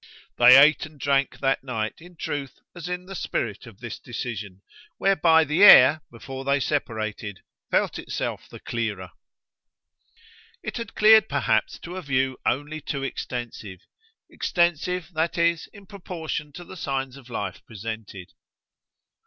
They ate and drank that night, in truth, as in the spirit of this decision; whereby the air, before they separated, felt itself the clearer. It had cleared perhaps to a view only too extensive extensive, that is, in proportion to the signs of life presented.